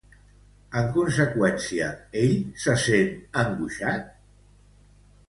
En conseqüència, ell se sent angoixat?